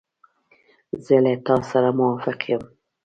زه له تا سره موافق یم.